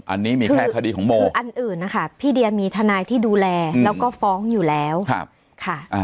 อันนี้มีแค่คดีของโมอันอื่นนะคะพี่เดียมีทนายที่ดูแลแล้วก็ฟ้องอยู่แล้วค่ะ